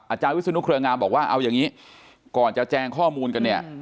อาจารย์วิศนุเครืองามบอกว่าเอาอย่างนี้ก่อนจะแจงข้อมูลกันเนี่ย